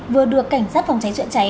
vừa được cảnh sát phòng cháy trợ cháy